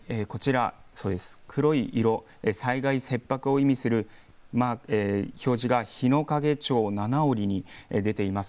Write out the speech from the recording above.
こちら黒い色災害切迫を意味する表示が日之影町七折に出ています。